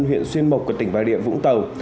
huyện xuyên mộc của tỉnh và địa vũng tàu